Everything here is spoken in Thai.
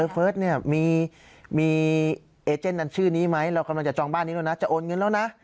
เฟิร์สเนี่ยมีเอเจนนั้นชื่อนี้ไหมเรากำลังจะจองบ้านนี้แล้วนะจะโอนเงินแล้วนะ